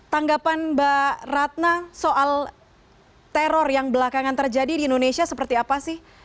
tanggapan mbak ratna soal teror yang belakangan terjadi di indonesia seperti apa sih